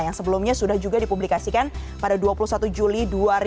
yang sebelumnya sudah juga dipublikasikan pada dua puluh satu juli dua ribu dua puluh